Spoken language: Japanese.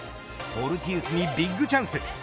フォルティウスにビッグチャンス。